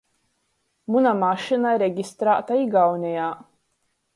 Muna mašyna registrāta Igaunejā.